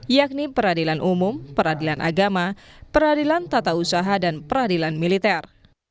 yakni peradilan umum peradilan agama peradilan tata usaha dan peradilan militer